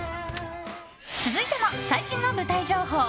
続いても最新の舞台情報。